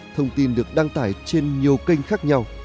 thông tin được đăng tải trên nhiều kênh khác nhau